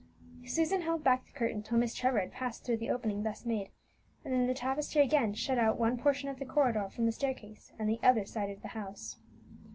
Susan held back the curtain till Miss Trevor had passed through the opening thus made, and then the tapestry again shut out one portion of the corridor from the staircase and the other side of the house.